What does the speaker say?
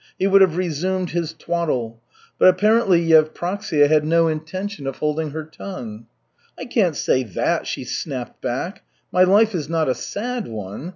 He would have resumed his twaddle. But apparently Yevpraksia had no intention of holding her tongue. "I can't say that," she snapped back. "My life is not a sad one.